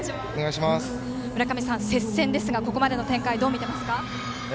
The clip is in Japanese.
むらかみさん、接戦ですがここまでの展開どう見ていますか？